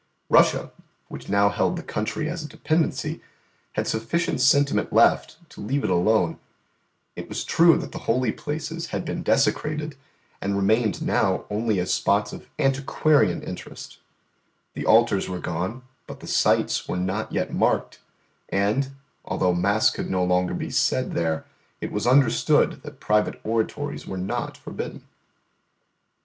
Russia, which now held the country as a dependency, had sufficient sentiment left to leave it alone; it was true that the holy places had been desecrated, and remained now only as spots of antiquarian interest; the altars were gone but the sites were yet marked, and, although mass could no longer be said there, it was understood that private oratories were not forbidden.